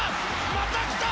また来た！